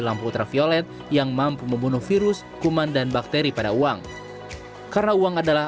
lampu ultraviolet yang mampu membunuh virus kuman dan bakteri pada uang karena uang adalah